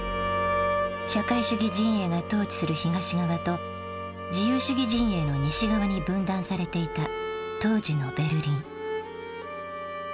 「社会主義陣営」が統治する東側と「自由主義陣営」の西側に分断されていた当時のベルリン。